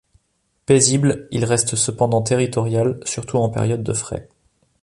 Paisible, il reste cependant territorial, surtout en période de frais.